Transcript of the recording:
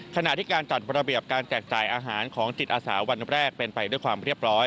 ขณะที่การจัดระเบียบการแจกจ่ายอาหารของจิตอาสาวันแรกเป็นไปด้วยความเรียบร้อย